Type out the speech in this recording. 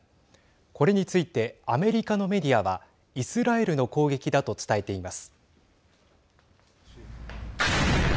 これについてアメリカのメディアはイスラエルの攻撃だと伝えています。